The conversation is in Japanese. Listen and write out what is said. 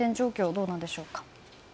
どうでしょうか。